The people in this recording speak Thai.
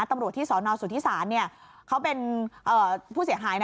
ตำรวจที่สอนอสุธิษศาสตร์เนี่ยเขาเป็นผู้เสียหายนะ